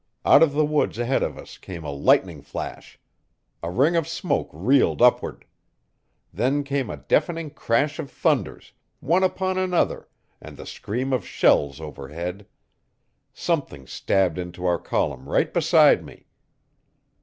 Out of the woods ahead of us came a lightning flash. A ring of smoke reeled upward. Then came a deafening crash of thunders one upon another, and the scream of shells overhead. Something stabbed into our column right beside me.